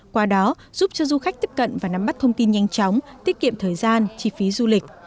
qua đó giúp cho du khách tiếp cận và nắm bắt thông tin nhanh chóng tiết kiệm thời gian chi phí du lịch